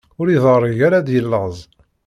Ur iḍeṛṛig ar ad yellaẓ.